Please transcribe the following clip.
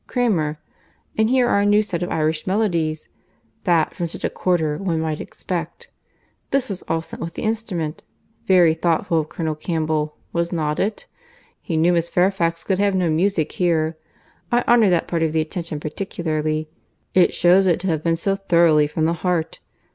—Cramer.—And here are a new set of Irish melodies. That, from such a quarter, one might expect. This was all sent with the instrument. Very thoughtful of Colonel Campbell, was not it?—He knew Miss Fairfax could have no music here. I honour that part of the attention particularly; it shews it to have been so thoroughly from the heart.